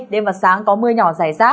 đêm và sáng có mưa nhỏ rải rác